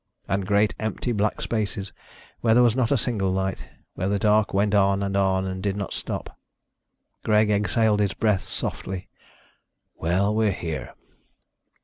And great empty black spaces where there was not a single light, where the dark went on and on and did not stop. Greg exhaled his breath softly. "Well, we're here."